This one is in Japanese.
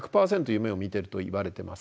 夢を見てるといわれてます。